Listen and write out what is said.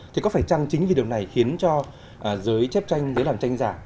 thì có phải chăng chính vì điều này khiến cho giới chép tranh mới làm tranh giả